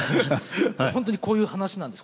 本当にこういう話なんです。